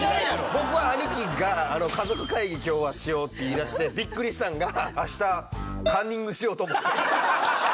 僕は兄貴が、家族会議きょうはしようって言いだして、びっくりしたんが、あした、カンニングしようと思ってます。